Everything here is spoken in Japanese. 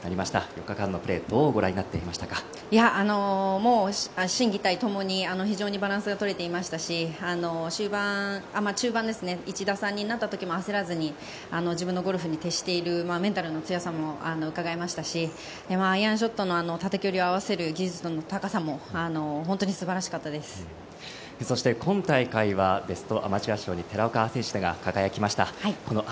４日間のプレー心技体ともに非常にバランスが取れていましたし終盤１打差になったときも焦らずに自分のゴルフに徹しているメンタルの強さもうかがえましたしアイアンショットの距離を合わせる技術の高さも今大会はベストアマチュア賞に寺岡選手らが輝きました。